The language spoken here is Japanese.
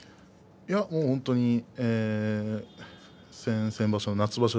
本当に先場所、先々場所